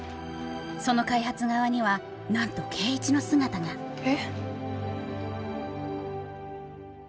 その開発側にはなんと圭一の姿がえ？